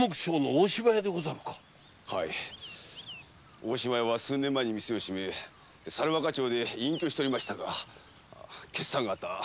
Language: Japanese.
大島屋は数年前に店を閉め猿若町で隠居しておりましたが今朝方急にと。